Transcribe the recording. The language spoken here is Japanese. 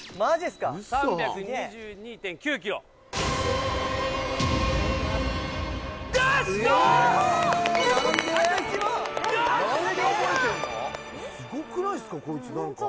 すごくないすか？